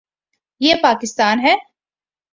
یہ پاکستان ہے۔